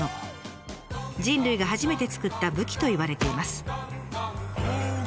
人類が初めて作った武器といわれています。